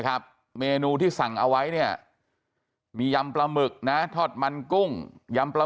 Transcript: เมนูที่สั่งเอาไว้เนี่ยมียำปลาหมึกนะทอดมันกุ้งยำปลา